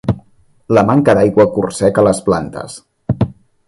La manca d'aigua corseca les plantes.